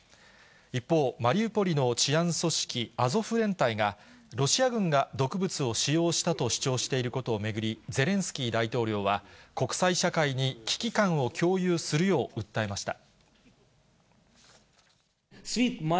一方、マリウポリの治安組織、アゾフ連隊がロシア軍が毒物を使用したと主張していることを巡り、ゼレンスキー大統領は、国際社会に危機感を共有するよう訴えました。